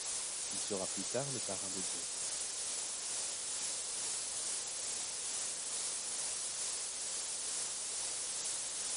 Il sera plus tard le parrain de Jake.